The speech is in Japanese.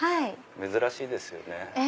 珍しいですよね。